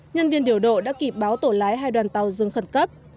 nhân viên điều độ đã kịp báo tổ lái hai đoàn tàu dừng khẩn cấp